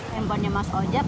handphonenya mas ojak